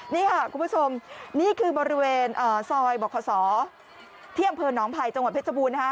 นี่ค่ะคุณผู้ชมนี่คือบริเวณซอยบ่คสเที่ยงเผินน้องไผ่จังหวัดเพชรบูรณ์นะฮะ